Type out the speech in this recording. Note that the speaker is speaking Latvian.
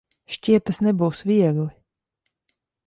Šķiet, tas nebūs viegli.